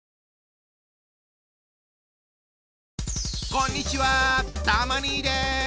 こんにちはたま兄です。